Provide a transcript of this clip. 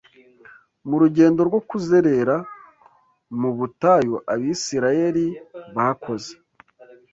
mu rugendo rwo kuzerera mu butayu Abisirayeli bakoze